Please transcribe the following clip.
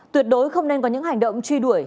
tuyệt đối không nên có những hành động truy đuổi